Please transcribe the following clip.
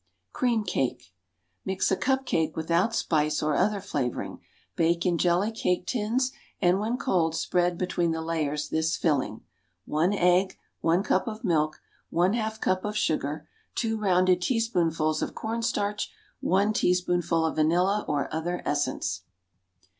Cream cake. Mix a cup cake without spice or other flavoring, bake in jelly cake tins, and when cold spread between the layers this filling: One egg. One cup of milk. One half cup of sugar. Two rounded teaspoonfuls of corn starch. One teaspoonful of vanilla or other essence.